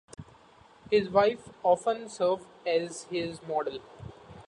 His wife often served as his model.